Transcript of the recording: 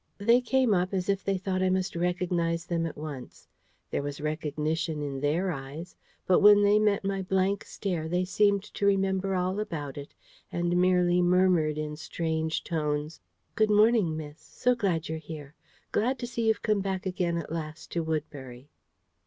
They came up as if they thought I must recognise them at once: there was recognition in their eyes; but when they met my blank stare, they seemed to remember all about it, and merely murmured in strange tones: "Good morning, miss! So you're here: glad to see you've come back again at last to Woodbury."